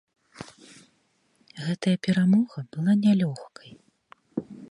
Гэтая перамога была нялёгкай.